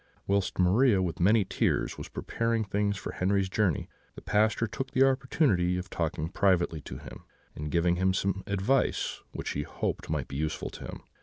"Whilst Maria, with many tears, was preparing things for Henri's journey, the Pastor took the opportunity of talking privately to him, and giving him some advice which he hoped might be useful to him.